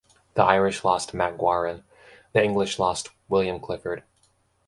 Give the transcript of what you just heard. The Irish lost MacGauran; the English lost William Clifford.